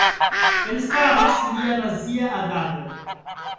Elstaras lia nazia agado.